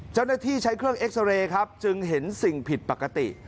เจ้าหน้าที่ใช้เครื่องเอ็กซาเรย์ครับจึงเห็นสิ่งผิดปกติ